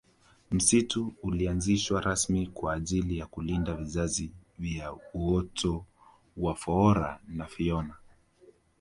msitu ulianzishwa rasmi kwa ajili ya kulinda vizazi vya uoto wa foora na fiona